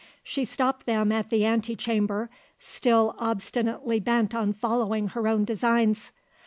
She stopped them at the ante chamber; still obstinately bent on following her own designs.